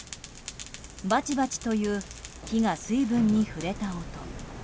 バチバチという火が水分に触れた音。